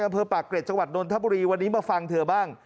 ประเภทจังหวัดนทบุรีวันนี้มาฟังเธอบ้าง